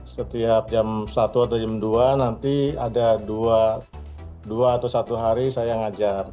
setiap jam satu atau jam dua nanti ada dua atau satu hari saya ngajar